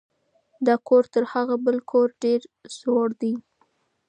دا کور تر هغه بل کور ډېر زوړ دی.